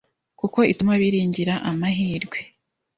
kuko ituma biringira amahirwe